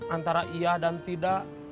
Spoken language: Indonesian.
antara iya dan tidak